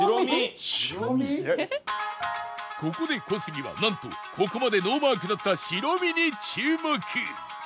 ここで小杉はなんとここまでノーマークだった白身に注目